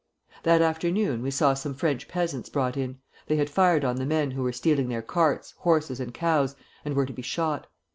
"That afternoon we saw some French peasants brought in; they had fired on the men who were stealing their carts, horses, and cows, and were to be shot.